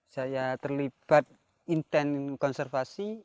saya terlibat inten konservasi